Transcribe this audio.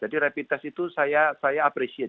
jadi rapid test itu saya apresiasi